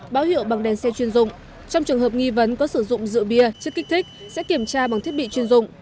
báo hiệu bằng đèn xe chuyên dụng trong trường hợp nghi vấn có sử dụng rượu bia chất kích thích sẽ kiểm tra bằng thiết bị chuyên dụng